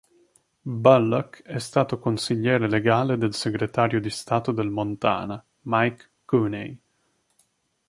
Bullock è stato consigliere legale del Segretario di Stato del Montana, Mike Cooney.